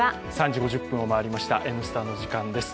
３時５０分を回りました「Ｎスタ」の時間です。